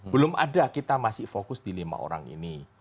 belum ada kita masih fokus di lima orang ini